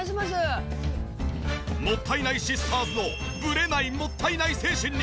もったいないシスターズのぶれないもったいない精神に。